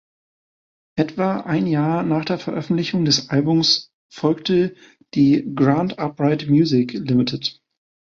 Etwa ein Jahr nach der Veröffentlichung des Albums folgte die "Grand Upright Music, Ltd.